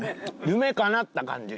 夢かなった感じ。